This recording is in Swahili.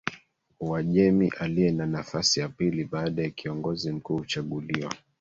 Uajemi aliye na nafasi ya pili baada ya Kiongozi Mkuu Huchaguliwa